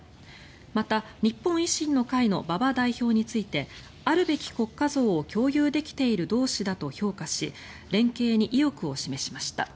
また、日本維新の会の馬場代表についてあるべき国家像を共有できている同志だと評価し連携に意欲を示しました。